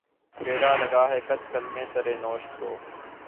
ٹیڑھا لگا ہے قط‘ قلمِ سر نوشت کو